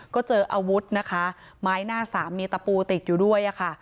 ก็เจออาวุธนะคะไม้หน้าสามมีตะปูติดอยู่ด้วยค่ะ